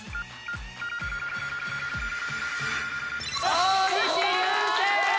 大西流星！